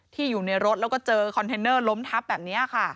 อยู่ในรถแล้วก็เจอคอนเทนเนอร์ล้มทับแบบนี้ค่ะ